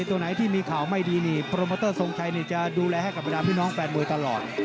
ตัวไหนที่มีข่าวไม่ดีนี่โปรโมเตอร์ทรงชัยนี่จะดูแลให้กับบรรดาพี่น้องแฟนมวยตลอด